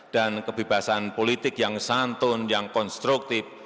dan kebebasan politik yang santun yang konstruktif